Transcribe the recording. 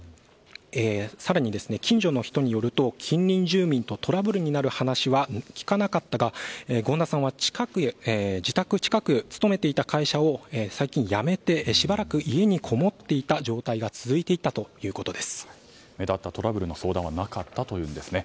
更に、近所の人によると近隣住民とトラブルになる話は聞かなかったが権田さんは自宅近くの勤めていた会社を最近辞めて、しばらく家にこもっていた状態が目立ったトラブルの相談はなかったというんですね。